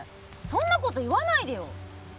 そんなこと言わないでよ！